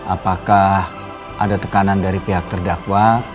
apakah ada tekanan dari pihak terdakwa